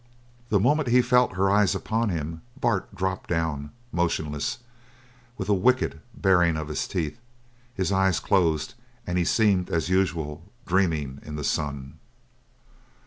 The moment he felt her eyes upon him, Bart dropped down, motionless, with a wicked baring of his teeth; his eyes closed, and he seemed, as usual, dreaming in the sun.